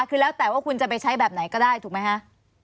คือแล้วแต่ว่าคุณจะไปใช้แบบไหนก็ได้ถูกไหมคะ